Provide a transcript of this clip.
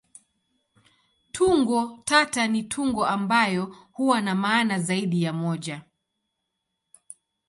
Tungo tata ni tungo ambayo huwa na maana zaidi ya moja.